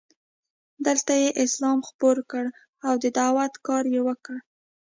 دلته یې اسلام خپور کړ او د دعوت کار یې وکړ.